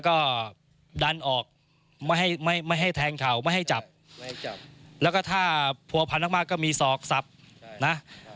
ก็ดันออกไม่ให้ไม่ให้แทงเข่าไม่ให้จับแล้วก็ถ้าผัวพันมากก็มีศอกสับนะ